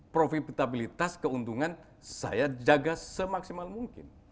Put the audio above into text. profitabilitas keuntungan saya jaga semaksimal mungkin